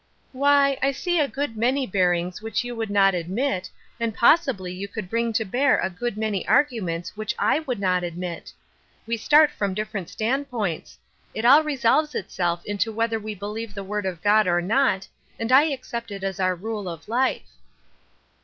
" Why, I see a good many bearings which you would not admit, and possibly you could bring to bear a good many arguments which /would not admit. We start from different standpoints. It all resolves itself into whether we believe the word of God or not, and I accept it as our rule of life."